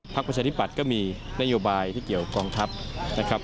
ประชาธิปัตย์ก็มีนโยบายที่เกี่ยวกองทัพนะครับ